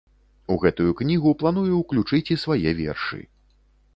У гэтую кнігу планую ўключыць і свае вершы.